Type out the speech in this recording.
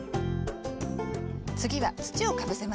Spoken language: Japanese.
次は土をかぶせましょう。